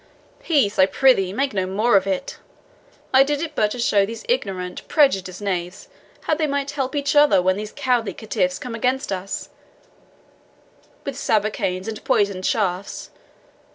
"Peace, I prithee make no more of it. I did it but to show these ignorant, prejudiced knaves how they might help each other when these cowardly caitiffs come against us with sarbacanes and poisoned shafts.